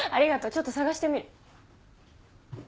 ちょっと探してみる。